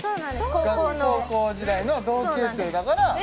高校の高校時代の同級生だからえ！？